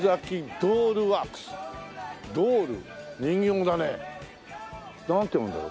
ドール人形だね。なんて読むんだろう？